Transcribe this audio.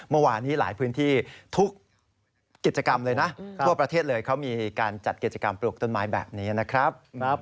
เมื่อวานนี้หลายพื้นที่ทุกกิจกรรมเลยนะทั่วประเทศเลยเขามีการจัดกิจกรรมปลูกต้นไม้แบบนี้นะครับ